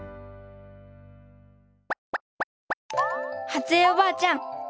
ハツ江おばあちゃん